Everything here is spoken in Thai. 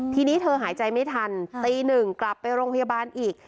ทีนี้เธอหายใจไม่ทันตีหนึ่งกลับไปโรงพยาบาลอีก